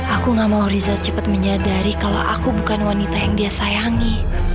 aku gak mau riza cepat menyadari kalau aku bukan wanita yang dia sayangi